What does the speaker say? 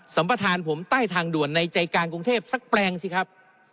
ัมประธานผมใต้ทางด่วนในใจการกรุงเทพสักแปลงสิครับ